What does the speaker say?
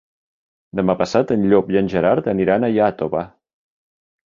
Demà passat en Llop i en Gerard aniran a Iàtova.